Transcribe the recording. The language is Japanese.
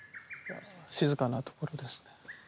静かなところですね。